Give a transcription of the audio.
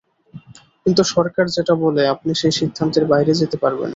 কিন্তু সরকার যেটা বলে আপনি সেই সিদ্ধান্তের বাইরে যেতে পারবেন না।